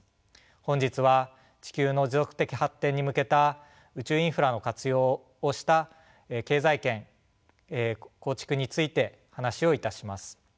本日は地球の持続的発展に向けた宇宙インフラを活用をした経済圏構築について話をいたします。